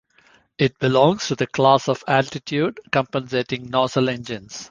It belongs to the class of altitude compensating nozzle engines.